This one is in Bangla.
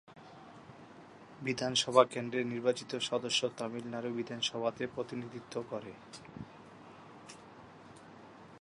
বিধানসভা কেন্দ্রের নির্বাচিত সদস্য তামিলনাড়ু বিধানসভাতে প্রতিনিধিত্ব করে।